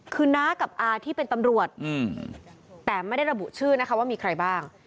คือน้ากับอาที่เป็นตำรวจแต่ไม่ได้ระบุชื่อนะคะว่ามีใครบ้าง